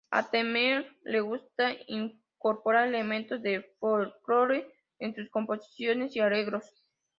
A Tanenbaum le gusta incorporar elementos del folklore en sus composiciones y arreglos.